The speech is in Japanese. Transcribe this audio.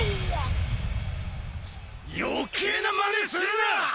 余計なまねするな！